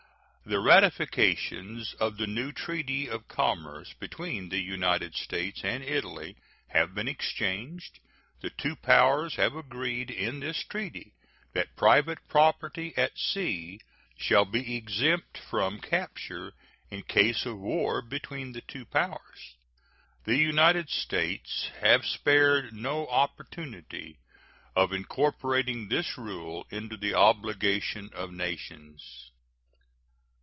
The ratifications of the new treaty of commerce between the United States and Italy have been exchanged. The two powers have agreed in this treaty that private property at sea shall be exempt from capture in case of war between the two powers. The United States have spared no opportunity of incorporating this rule into the obligation of nations.